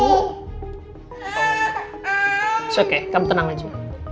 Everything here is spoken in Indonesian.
it's okay kamu tenang aja